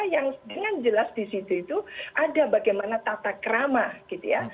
yang dengan jelas di situ itu ada bagaimana tata keramah gitu ya